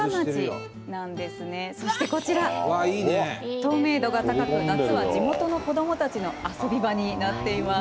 透明度が高く夏は地元の子どもたちの遊び場になっています。